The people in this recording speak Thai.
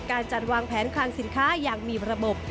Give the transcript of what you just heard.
การจัดวางแผนคลังสินค้าอย่างมีระบบ